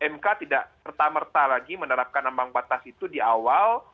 mk tidak serta merta lagi menerapkan ambang batas itu di awal